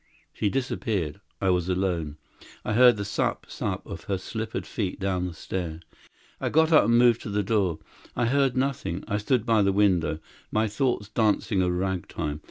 She disappeared. I was alone. I heard the sup sup of her slippered feet down the stair. I got up, and moved to the door. I heard nothing. I stood by the window, my thoughts dancing a ragtime.